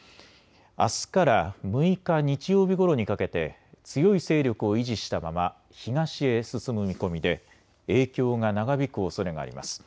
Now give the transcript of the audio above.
あすから６日、日曜日ごろにかけて強い勢力を維持したまま東へ進む見込みで影響が長引くおそれがあります。